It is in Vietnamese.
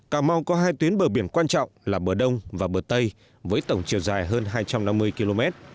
cà mau có hai tuyến bờ biển quan trọng là bờ đông và bờ tây với tổng chiều dài hơn hai trăm năm mươi km